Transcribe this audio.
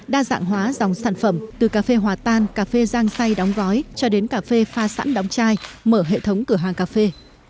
đa dạng hóa dòng sản phẩm từ cà phê hòa tan cà phê giang say đóng gói cho đến cà phê pha sẵn đóng chai mở hệ thống cửa hàng cà phê